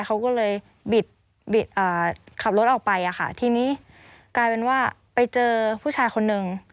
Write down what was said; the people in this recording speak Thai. เขาก็เลยบิดขับรถออกไปอะค่ะทีนี้กลายเป็นว่าไปเจอผู้ชายคนนึง